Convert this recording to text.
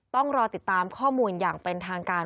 ต้องรอติดตามข้อมูลอย่างเป็นทางการ